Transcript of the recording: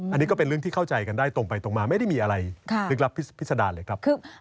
อันนี้ก็เป็นเรื่องที่เข้าใจกันได้ตรงไปตรงมาไม่ได้มีอะไรลึกลับพิษดารเลยครับ